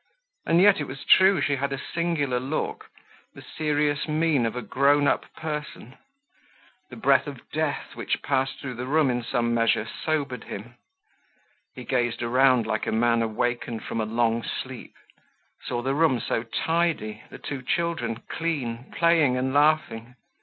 And yet it was true she had a singular look, the serious mien of a grown up person. The breath of death which passed through the room in some measure sobered him. He gazed around like a man awakened from a long sleep, saw the room so tidy, the two children clean, playing and laughing.